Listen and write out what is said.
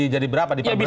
jadi berapa diperberat